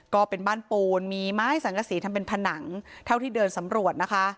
ก็เป็นบ้านปูนมีไม้สังกษีทำเป็นผนังเท่าที่เดินสำรวจนะคะ